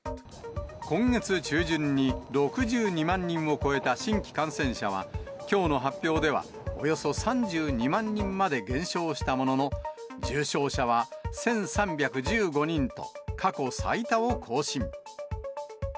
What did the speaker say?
今月中旬に６２万人を超えた新規感染者は、きょうの発表では、およそ３２万人まで減少したものの、重症者は１３１５人と、過去最多を更新。